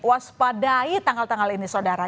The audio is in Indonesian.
waspadai tanggal tanggal ini saudara